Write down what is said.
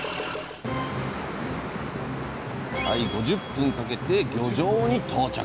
５０分かけて漁場に到着。